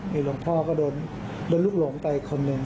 มีหลวงพ่อก็โดนลูกหลงไปคนหนึ่ง